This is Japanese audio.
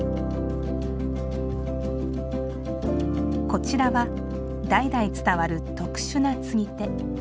こちらは代々伝わる特殊な継手。